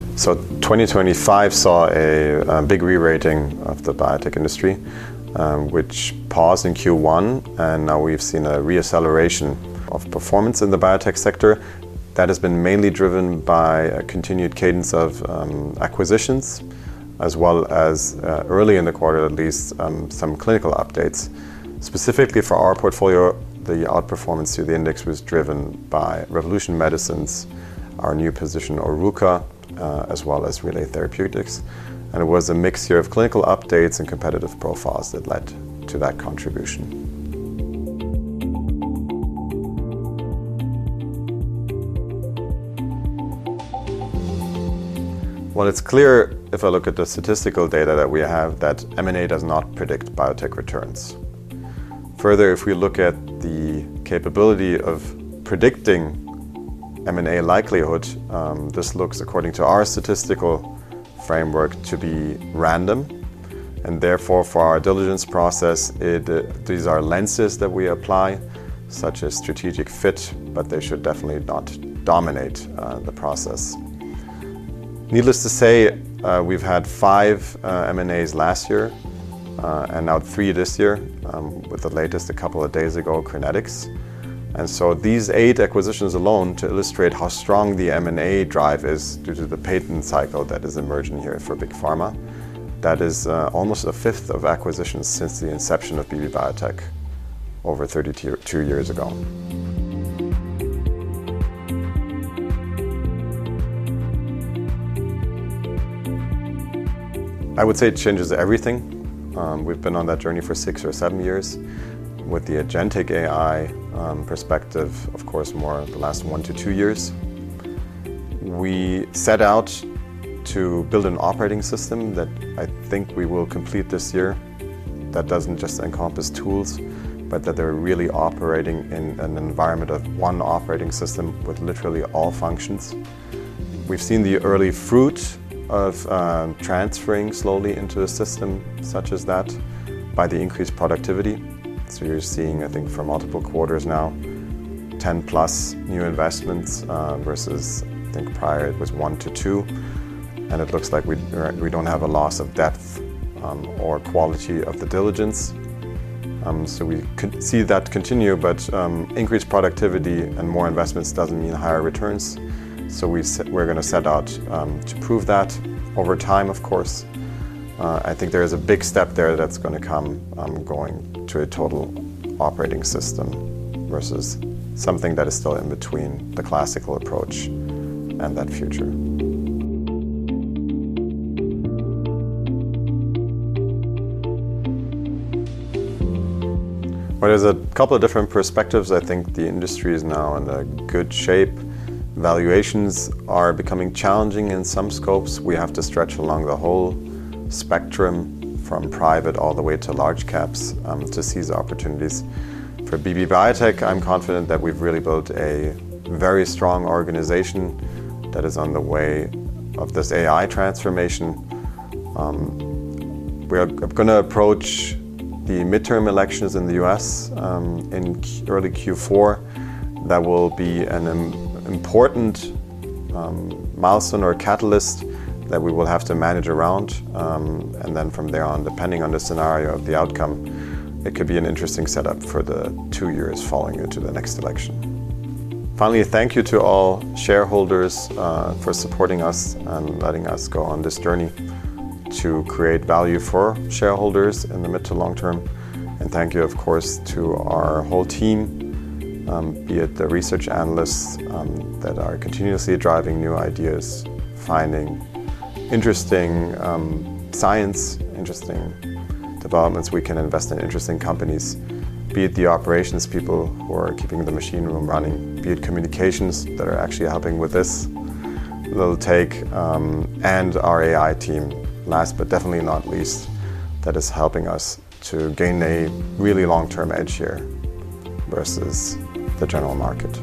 2025 saw a big re-rating of the biotech industry, which paused in Q1, and now we've seen a re-acceleration of performance in the biotech sector that has been mainly driven by a continued cadence of acquisitions as well as, early in the quarter at least, some clinical updates. Specifically for our portfolio, the outperformance to the index was driven by Revolution Medicines, our new position Oruka, as well as Relay Therapeutics, and it was a mixture of clinical updates and competitive profiles that led to that contribution. It's clear if I look at the statistical data that we have that M&A does not predict biotech returns. Further, if we look at the capability of predicting M&A likelihood, this looks, according to our statistical framework, to be random, and therefore, for our diligence process, these are lenses that we apply, such as strategic fit, but they should definitely not dominate the process. Needless to say, we've had five M&As last year, and now three this year, with the latest a couple of days ago, Crinetics. These eight acquisitions alone, to illustrate how strong the M&A drive is due to the patent cycle that is emerging here for big pharma, that is almost a fifth of acquisitions since the inception of BB Biotech over 32 years ago. I would say it changes everything. We've been on that journey for six or seven years. With the agentic AI perspective, of course, more the last one to two years. We set out to build an operating system that I think we will complete this year that doesn't just encompass tools, but that they're really operating in an environment of one operating system with literally all functions. We've seen the early fruit of transferring slowly into a system such as that by the increased productivity. You're seeing, I think for multiple quarters now, 10+ new investments versus, I think prior it was one to two, and it looks like we don't have a loss of depth or quality of the diligence. We could see that continue, but increased productivity and more investments doesn't mean higher returns. We're going to set out to prove that over time, of course. I think there is a big step there that's going to come going to a total operating system versus something that is still in between the classical approach and that future. There's a couple of different perspectives. I think the industry is now in a good shape. Valuations are becoming challenging in some scopes. We have to stretch along the whole spectrum from private all the way to large caps to seize opportunities. For BB Biotech, I'm confident that we've really built a very strong organization that is on the way of this AI transformation. We are going to approach the midterm elections in the U.S. in early Q4. That will be an important milestone or catalyst that we will have to manage around, and then from there on, depending on the scenario of the outcome, it could be an interesting setup for the two years following into the next election. Finally, thank you to all shareholders for supporting us and letting us go on this journey to create value for shareholders in the mid to long term, and thank you, of course, to our whole team, be it the research analysts that are continuously driving new ideas, finding interesting science, interesting developments we can invest in, interesting companies, be it the operations people who are keeping the machine room running, be it communications that are actually helping with this little take, and our AI team, last but definitely not least, that is helping us to gain a really long-term edge here versus the general market.